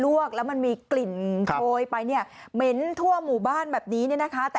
โอ้ยไปเนี่ยเม้นทั่วหมู่บ้านแบบนี้นะฮะ